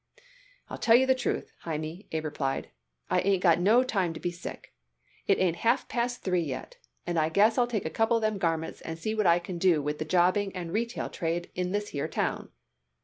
"I'll tell you the truth, Hymie," Abe replied, "I ain't got no time to be sick. It ain't half past three yet, and I guess I'll take a couple of them garments and see what I can do with the jobbing and retail trade in this here town."